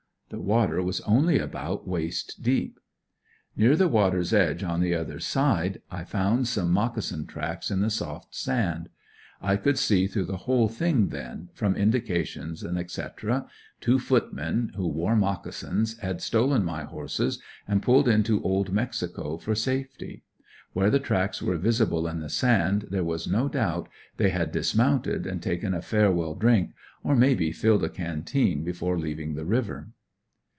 The water was only about waist deep. Near the water's edge on the other side I found some mocassin tracks in the soft sand. I could see through the whole thing then, from indications, etc: two footmen, who wore mocassins, had stolen my horses and pulled into Old Mexico for safety. Where the tracks were visible in the sand, there was no doubt, they had dismounted and taken a farewell drink, or maybe filled a canteen, before leaving the river.